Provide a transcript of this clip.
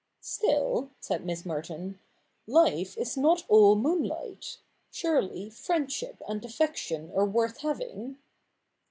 ' Still,' said Miss Merton, ' life is not all moonlight. Surely friendship and affection are worth having